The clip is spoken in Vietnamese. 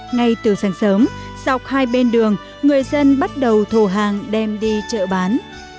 ngay từ sáng sớm dọc hai bên đường người dân bắt đầu thổ hàng đem đi chợ bán